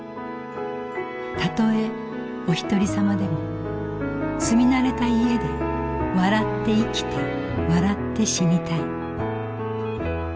たとえおひとりさまでも住み慣れた家で笑って生きて笑って死にたい。